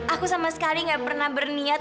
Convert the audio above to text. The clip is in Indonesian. aku sama sekali gak pernah berniat